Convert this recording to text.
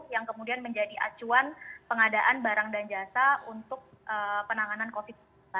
yang kemudian menjadi acuan pengadaan barang dan jasa untuk penanganan covid sembilan belas